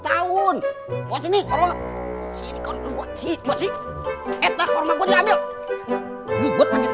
ini buat panggil kaki